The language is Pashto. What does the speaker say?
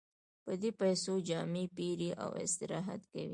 په دې پیسو جامې پېري او استراحت کوي